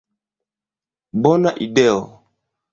Bona ideo.